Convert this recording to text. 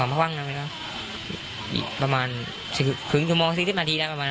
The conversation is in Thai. มันก็บ้างนะครับประมาณเสื้อถึงชั่วโมงสิบนาทีแล้วประมาณ